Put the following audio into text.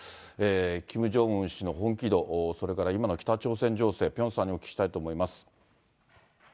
キム・ジョンウン氏の本気度、それから今の北朝鮮情勢、ピョンさんにお聞きしたいと思います。